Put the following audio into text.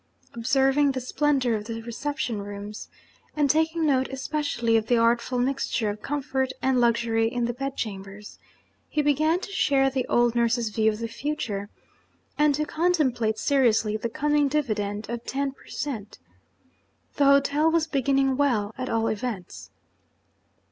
Observing the splendour of the reception rooms, and taking note especially of the artful mixture of comfort and luxury in the bedchambers, he began to share the old nurse's view of the future, and to contemplate seriously the coming dividend of ten per cent. The hotel was beginning well, at all events.